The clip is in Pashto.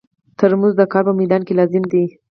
ترموز د کار په مېدان کې لازم دی.